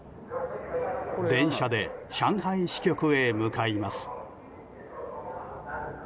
電車で上海支局へ向かいます。